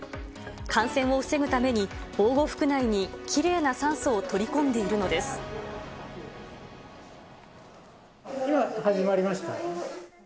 感染を防ぐために、防護服内にきれいな酸素を取り込んでいるので今、始まりました。